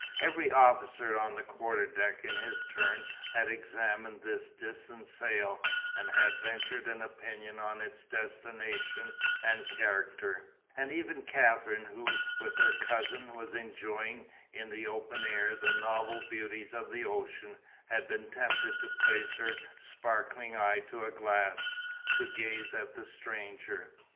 Every officer on the quarter deck in his turn had examined this distant sail, and had ventured an opinion on its destination and character; and even Katherine, who with her cousin was enjoying, in the open air, the novel beauties of the ocean, had been tempted to place her sparkling eye to a glass, to gaze at the stranger.